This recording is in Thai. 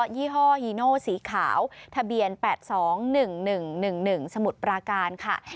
ี่ห้อฮีโนสีขาวทะเบียน๘๒๑๑๑๑๑๑สมุทรปราการค่ะ